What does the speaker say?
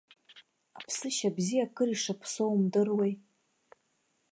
Аԥсышьа бзиа акыр ишаԥсоу умдыруеи.